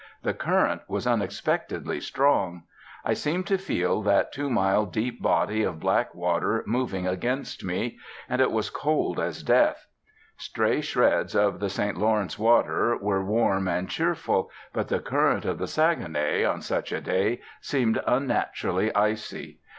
The current was unexpectedly strong. I seemed to feel that two mile deep body of black water moving against me. And it was cold as death. Stray shreds of the St Lawrence water were warm and cheerful. But the current of the Saguenay, on such a day, seemed unnaturally icy.